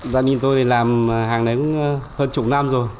gia đình tôi làm hàng đến hơn chục năm rồi